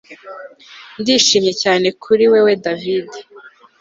Ndishimye cyane kuri wewe David